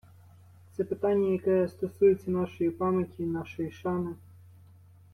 Це питання, яке стосується нашої пам'яті, нашої шани.